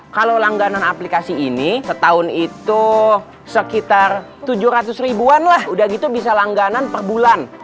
kalau langganan aplikasi ini setahun itu sekitar tujuh ratus ribuan lah udah gitu bisa langganan per bulan